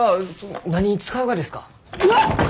うわっ！